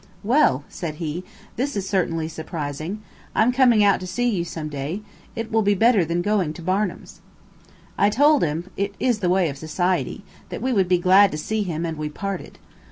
"Well!" said he, "this is certainly surprising. I'm coming out to see you some day. It will be better than going to Barnum's." I told him it is the way of society that we would be glad to see him, and we parted.